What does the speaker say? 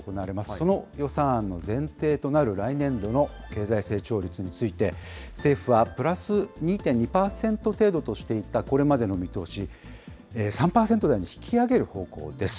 その予算案の前提となる来年度の経済成長率について、政府はプラス２．２％程度としていたこれまでの見通し、３％台に引き上げる方向です。